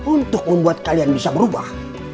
untuk membuat kalian bisa berubah